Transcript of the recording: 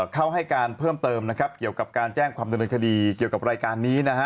เข้าให้การเพิ่มเติมเกี่ยวกับการแจ้งความเจนดินคดีเกี่ยวกับรายการนี้